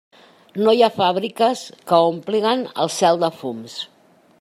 No hi ha fàbriques que òmpliguen el cel de fums.